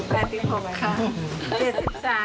๗๓ค่ะ